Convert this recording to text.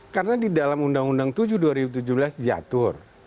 karena di dalam undang undang tujuh dua ribu tujuh belas jatuh